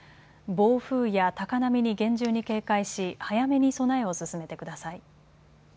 暴風や高波に厳重に警戒し早めに備えを進めてください。